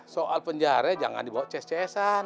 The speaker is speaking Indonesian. soal penjara jangan dibawa cs csan